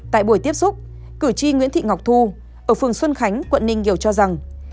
tại buổi tiếp xúc cử tri nguyễn thị ngọc thu ở phường xuân khánh quận ninh kiều cho rằng